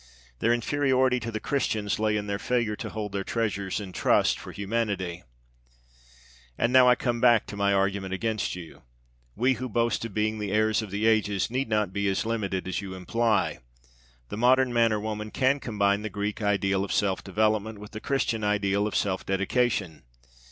Their inferiority to the Christians lay in their failure to hold their treasures in trust for humanity. And now I come back to my argument against you. We who boast of being the 'heirs of the ages' need not be as limited as you imply. The modern man or woman can combine the Greek ideal of self development with the Christian ideal of self dedication.